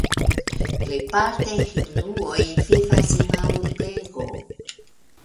Plejparte hinduoj vivas en la urbego.